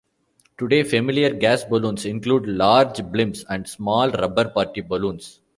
Today, familiar gas balloons include large blimps and small rubber party balloons.